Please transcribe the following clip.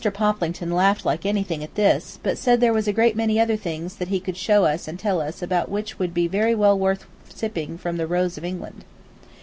Poplington laughed like anything at this, but said there was a great many other things that he could show us and tell us about which would be very well worth while sipping from the rose of England.